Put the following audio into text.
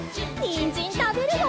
にんじんたべるよ！